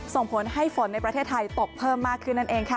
ส่งผลให้ฝนในประเทศไทยตกเพิ่มมากขึ้นนั่นเองค่ะ